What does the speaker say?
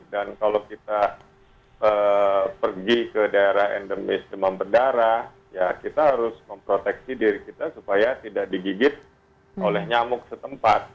dan kalau kita pergi ke daerah endemis demam berdarah ya kita harus memproteksi diri kita supaya tidak digigit oleh nyamuk setempat